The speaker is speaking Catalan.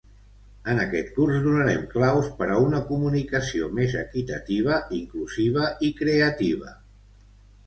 En aquest curs donarem claus per a una comunicació més equitativa, inclusiva i creativa.